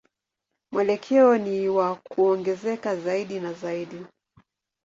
Mwelekeo ni wa kuongezeka zaidi na zaidi.